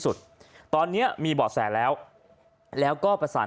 เสียงของหนึ่งในผู้ต้องหานะครับ